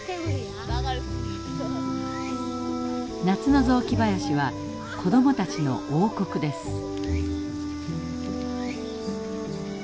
夏の雑木林は子供たちの王国です。